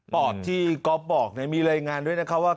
ปอดที่ก็บอกมีรายงานด้วยนะครับว่า